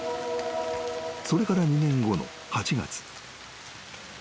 ［それから２年後の８月］